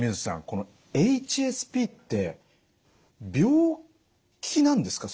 このＨＳＰって病気なんですか？